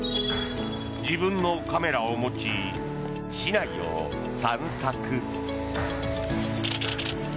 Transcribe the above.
自分のカメラを持ち市内を散策。